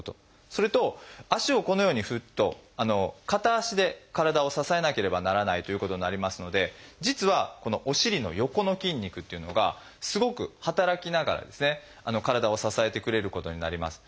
それと足をこのように振ると片足で体を支えなければならないということになりますので実はこのお尻の横の筋肉っていうのがすごく働きながら体を支えてくれることになります。